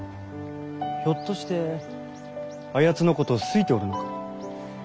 ひょっとしてあやつのことを好いておるのか？